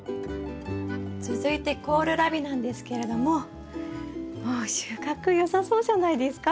続いてコールラビなんですけれどももう収穫よさそうじゃないですか？